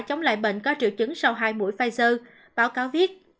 chống lại bệnh có triệu chứng sau hai mũi pfizer báo cáo viết